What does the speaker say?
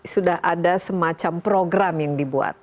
sudah ada semacam program yang dibuat